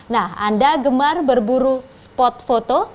nah anda gemar berburu spot foto